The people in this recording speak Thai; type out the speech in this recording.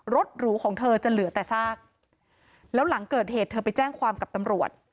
หรูของเธอจะเหลือแต่ซากแล้วหลังเกิดเหตุเธอไปแจ้งความกับตำรวจ